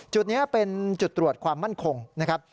จุดนี้เป็นจุดตรวจความมั่นคงนะครับ